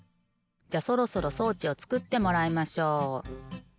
じゃそろそろ装置をつくってもらいましょう。